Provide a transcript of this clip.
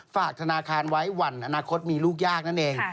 ฝากธนาคารไว้หวั่นอนาคตมีลูกยากนั่นเอง